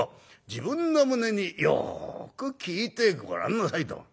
自分の胸によく聞いてごらんなさい』と」。